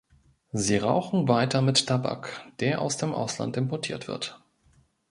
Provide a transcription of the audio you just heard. Sie rauchen weiter mit Tabak, der aus dem Ausland importiert wird.